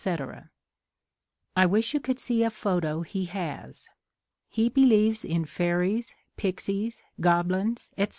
I wish you could see a photo he has. He believes in fairies, pixies, goblins, etc.